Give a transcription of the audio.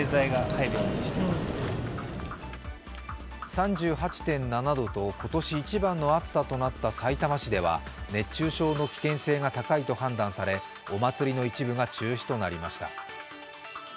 ３８．７度と今年一番の暑さとなったさいたま市では熱中症の危険性が高いと判断され、お祭りの一部が中止となりました。